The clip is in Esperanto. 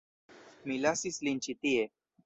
Mi lasis lin ĉi tie.